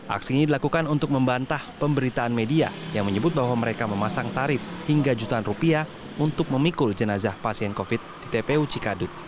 aksi ini dilakukan untuk membantah pemberitaan media yang menyebut bahwa mereka memasang tarif hingga jutaan rupiah untuk memikul jenazah pasien covid di tpu cikadut